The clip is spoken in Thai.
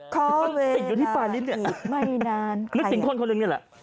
คอเวราอีกไม่นานนึกถึงคนคนหนึ่งนี่แหละ